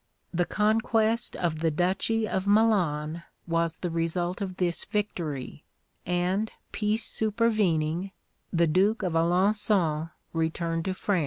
(1) The conquest of the duchy of Milan was the result of this victory, and peace supervening, the Duke of Alençon returned to France.